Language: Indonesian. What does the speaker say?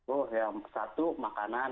oh ya satu makanan